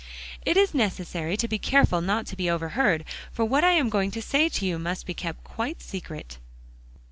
"It is necessary to be careful not to be overheard, for what I am going to say to you must be kept quite secret."